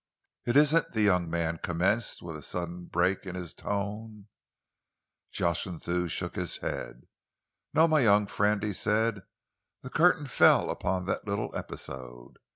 "It isn't," the young man commenced, with a sudden break in his tone Jocelyn shook his head. "No, my young friend," he said, "the curtain fell upon that little episode.